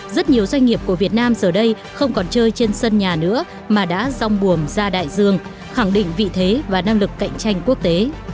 rất nhiều doanh nghiệp của việt nam giờ đây không còn chơi trên sân nhà nữa mà đã rong buồm ra đại dương khẳng định vị thế và năng lực cạnh tranh quốc tế